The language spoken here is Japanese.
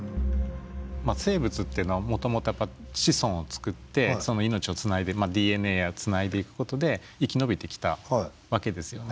生物っていうのはもともと子孫を作ってその命をつないでＤＮＡをつないでいくことで生き延びてきたわけですよね。